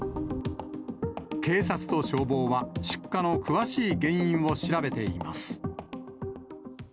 警察と消防は出火の詳しい原因を調べています。